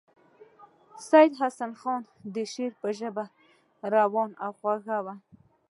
د سید حسن خان د شعر ژبه روانه او خوږه وه.